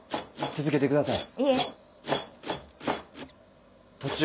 続けてください。